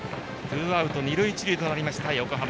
ツーアウト二塁一塁となった横浜。